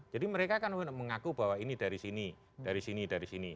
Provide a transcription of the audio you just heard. jadi mereka akan mengaku bahwa ini dari sini dari sini dari sini